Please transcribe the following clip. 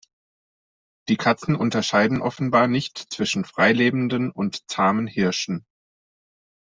Die Katzen unterscheiden offenbar nicht zwischen frei lebenden und zahmen Hirschen.